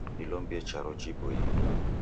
Dilombie charo jipoie